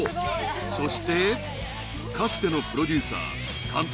そしてかつてのプロデューサー監督